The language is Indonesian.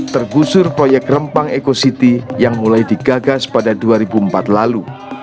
tergusur proyek rempang eco city yang mulai digagas pada dua ribu empat lalu